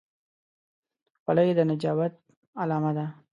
خولۍ د نجابت علامه ده.